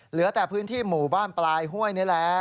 เหลือแต่พื้นที่หมู่บ้านปลายห้วยนี่แหละ